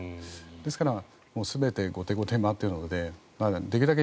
ですから全て後手後手に回っているのでできるだけ